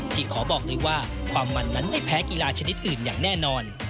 ขอบอกเลยว่าความมันนั้นไม่แพ้กีฬาชนิดอื่นอย่างแน่นอน